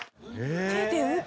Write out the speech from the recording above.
手で打って。